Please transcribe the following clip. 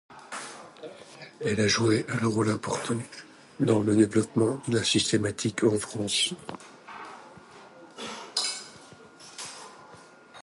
Elle a joué un rôle important dans le développement de la systématique en France.